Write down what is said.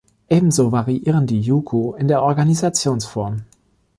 Ebenso variieren die Juku in der Organisationsform.